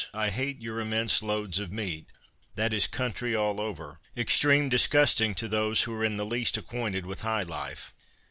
' I hate your im mense loads of meat ; that is country all over ; extreme disgusting to those who are in the least acquainted with high life.'